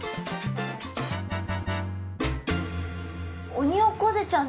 オニオコゼちゃん